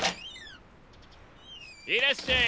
いらっしゃい！